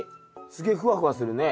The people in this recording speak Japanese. すげえふわふわするね。